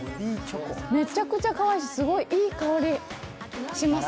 めちゃくちゃかわいいし、すごいいい香りします。